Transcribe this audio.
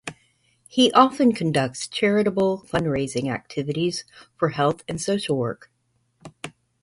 He often conducts charitable fund raising activities for health and social work.